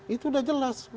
itu sudah jelas